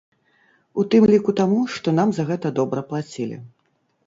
У тым ліку таму, што нам за гэта добра плацілі.